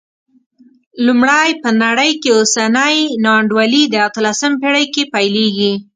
لومړی، په نړۍ کې اوسنۍ نا انډولي د اتلسمې پېړۍ کې پیلېږي.